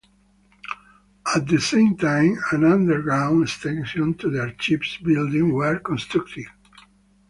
At the same time an underground extension to the Archives building were constructed.